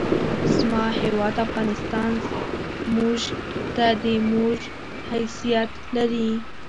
زما هېواد افغانستان مونږ ته د مور حیثیت لري!